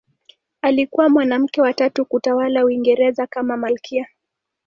Alikuwa mwanamke wa tatu kutawala Uingereza kama malkia.